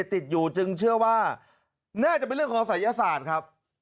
ติดอยู่จึงเชื่อว่าน่าจะเป็นเรื่องของศัยศาสตร์ครับ